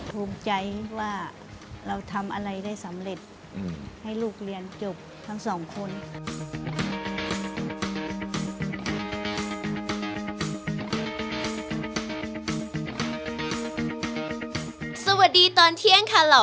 ลูกค้ามีปิดใจอะไรอย่างนี้ค่ะ